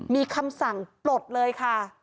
มีคำสั่งปลดเลยค่ะ